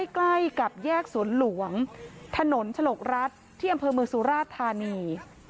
ใกล้กับแยกสวนหลวงถนนฉลกรัฐที่อำเภอเมืองสุราชธานี